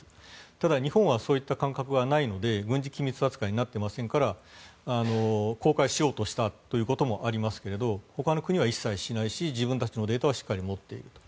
ただ、日本はそういった感覚がないので軍事機密扱いになっていませんから公開しようとしたこともありますがほかの国は一切しないし自分たちのデータはしっかり持っていると。